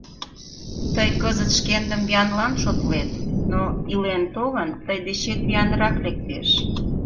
Тый кызыт шкендым виянлан шотлет, но, илен-толын, тый дечет виянрак лектеш.